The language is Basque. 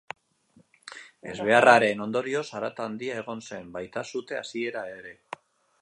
Ezbeharraren ondorioz, zarata handia egon zen, baita sute hasiera ere.